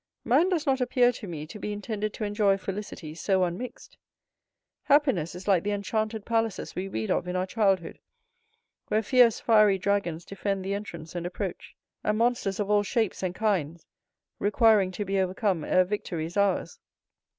"Man does not appear to me to be intended to enjoy felicity so unmixed; happiness is like the enchanted palaces we read of in our childhood, where fierce, fiery dragons defend the entrance and approach; and monsters of all shapes and kinds, requiring to be overcome ere victory is ours.